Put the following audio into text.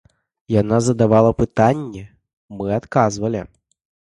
Яна задавала пытанні, мы адказвалі.